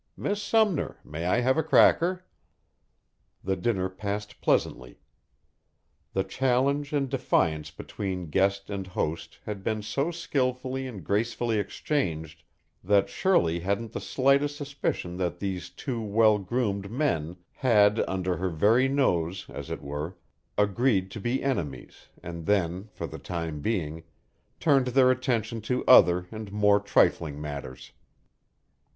"Miss Sumner, may I have a cracker?" The dinner passed pleasantly; the challenge and defiance between guest and host had been so skillfully and gracefully exchanged that Shirley hadn't the slightest suspicion that these two well groomed men had, under her very nose, as it were, agreed to be enemies and then, for the time being, turned their attention to other and more trifling matters.